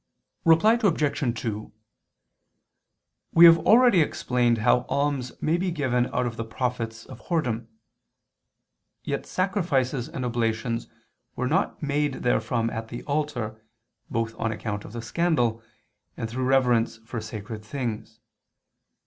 Reply Obj. 2: We have already explained how alms may be given out of the profits of whoredom. Yet sacrifices and oblations were not made therefrom at the altar, both on account of the scandal, and through reverence for sacred things.